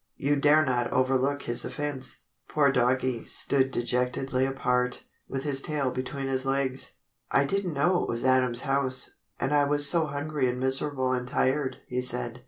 You dare not overlook his offense." Poor Doggie stood dejectedly apart, with his tail between his legs. "I didn't know it was Adam's house, and I was so hungry and miserable and tired," he said.